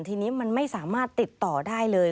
ทีนี้มันไม่สามารถติดต่อได้เลย